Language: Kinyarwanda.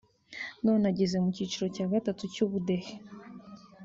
none ageze mu cyiciro cya gatatu cy’ubudehe